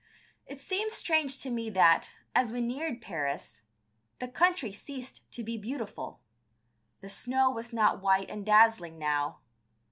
It seemed strange to me that, as we neared Paris, the country ceased to be beautiful. The snow was not white and dazzling now.